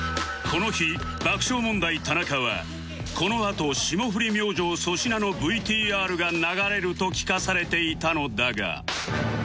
この日爆笑問題田中はこのあと霜降り明星粗品の ＶＴＲ が流れると聞かされていたのだが